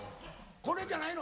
これじゃないの？